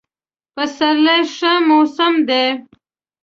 پسرلی ښه موسم دی.